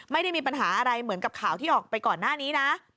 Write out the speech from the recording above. ไม่ได้มีปัญหาอะไรเหมือนกับข่าวที่ออกไปก่อนหน้านี้นะ